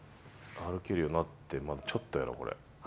歩けるようになってまだちょっとやろこれ。